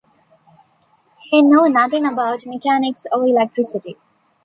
He knew nothing about mechanics or electricity.